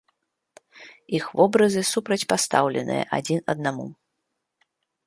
Іх вобразы супрацьпастаўленыя адзін аднаму.